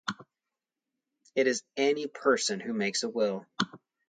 It is any person who makes a will.